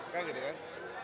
kan gitu kan